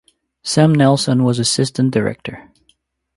Sam Nelson was assistant director.